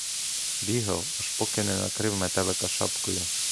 Бігав, аж поки не накрив метелика шапкою.